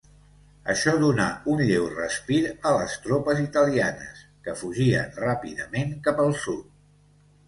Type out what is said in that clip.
Això donà un lleu respir a les tropes italianes, que fugien ràpidament cap al sud.